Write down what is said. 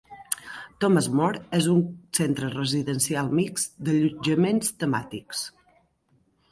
Thomas More és un centre residencial mixt d'allotjaments temàtics.